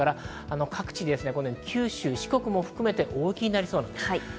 各地で九州、四国も含めて大雪になりそうです。